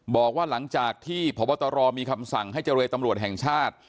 บอกว่าหลังจากที่พบตรมีคำสั่งให้เจรตำรวจแห่งชาติ